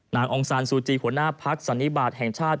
นางองศาลซูจิหัวหน้าภักดิ์สันนิบาทแห่งชาติ